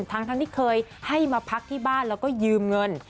ทั้งที่เคยให้มาพักที่บ้านแล้วก็ยืมเงิน